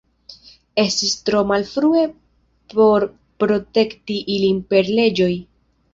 Estis tro malfrue por protekti ilin per leĝoj.